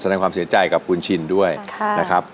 แสดงความเสียใจกับคุณชินด้วยนะครับ